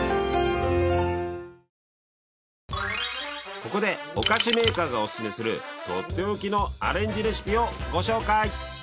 ここでお菓子メーカーがおすすめするとっておきのアレンジレシピをご紹介！